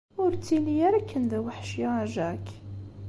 Ur ttili ara akken d aweḥci a Jack.